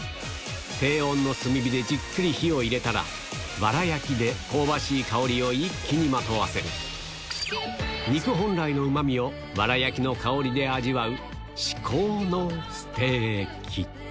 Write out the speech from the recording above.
低温の炭火でじっくり火を入れたら、わら焼きで香ばしい香りを一気にまとわせ、肉本来のうまみをわら焼きの香りで味わう、至高のステーキ。